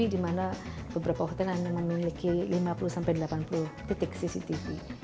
di mana beberapa hotel hanya memiliki lima puluh delapan puluh titik cctv